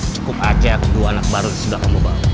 cukup ajak dua anak baru sudah kamu bawa